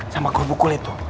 sama guru buku leto